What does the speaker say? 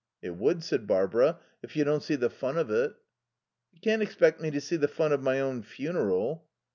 "It would," said Barbara, "if you don't see the fun of it." "You can't expect me to see the fun of my own funeral."